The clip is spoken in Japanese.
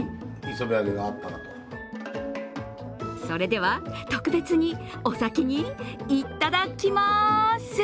それでは、特別にお先にいっただきまーす。